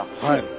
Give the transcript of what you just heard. はい。